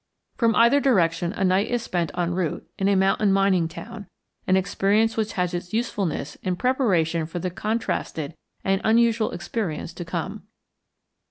From either direction a night is spent en route in a mountain mining town, an experience which has its usefulness in preparation for the contrasted and unusual experience to come.